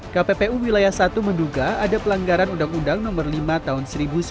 kppu wilayah satu menduga ada pelanggaran undang undang nomor lima tahun seribu sembilan ratus sembilan puluh